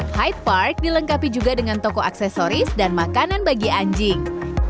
hyde park dilengkapi juga dengan toko aksesoris dan makanan bagi anjing